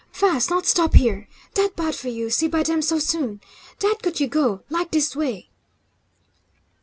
Fast not stop here; dat bad for you see by dem so soon. Dat good you go like dis way!"